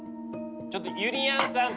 ちょっとゆりやんさん。